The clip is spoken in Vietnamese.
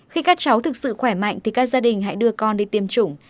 khi các cháu thực sự khỏe mạnh thì các gia đình hãy đưa con đi tiêm chủng